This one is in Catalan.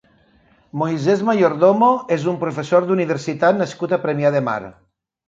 Moisés Mayordomo és un professor d'universitat nascut a Premià de Mar.